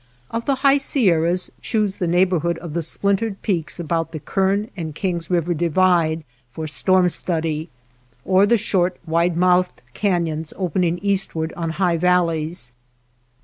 Of the high Sierras choose the neigh borhood of the splintered peaks about the Kern and King's river divide for storm study, or the short, wide mouthed canons opening eastward on high valleys.